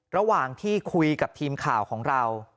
ระหว่างที่คุยกับทีมข่าวของเรา